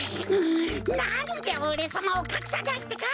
なんでおれさまをかくさないってか！